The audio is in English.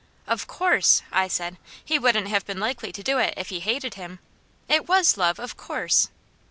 "Of course!" I said. "He wouldn't have been likely to do it if he hated him. It was love, of course!"